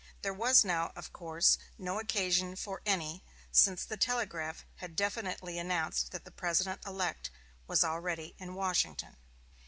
There was now, of course, no occasion for any, since the telegraph had definitely announced that the President elect was already in Washington.